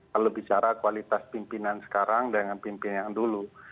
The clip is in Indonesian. kalau bicara kualitas pimpinan sekarang dengan pimpinan yang dulu